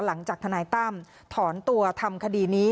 หลังจากธนายตั้มถอนตัวทำคดีนี้